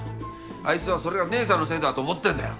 あいつはそれが姐さんのせいだと思ってんだよ。